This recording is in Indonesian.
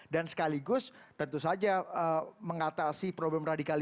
sekaligus tentu saja mengatasi problem radikalisme